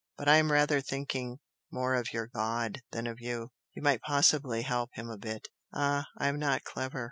but I'm rather thinking more of your 'god' than of you. You might possibly help him a bit " "Ah, I am not clever!"